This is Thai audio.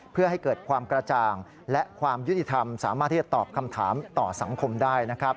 เพื่อให้เกิดความกระจ่างและความยุติธรรมสามารถที่จะตอบคำถามต่อสังคมได้นะครับ